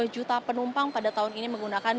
juta penumpang pada tahun ini menggunakan